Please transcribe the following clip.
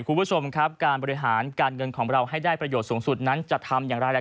คุณผู้ชมครับการบริหารการเงินของเราให้ได้ประโยชน์สูงสุดนั้นจะทำอย่างไร